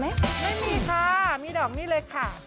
ไม่มีค่ะมีดอกนี้เลยค่ะ